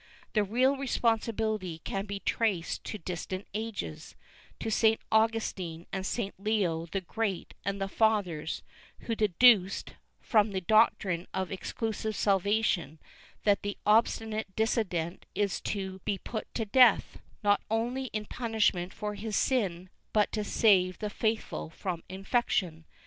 The real responsibility can be traced to distant ages, to St. Augustin and St. Leo the Great and the fathers, who deduced, from the doctrine of exclusive salvation, that the obstinate dissident is to be put to death, not only in punishment for his sin but to save the faithful from infection.